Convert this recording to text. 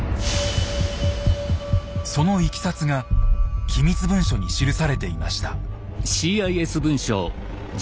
そのいきさつが機密文書に記されていました。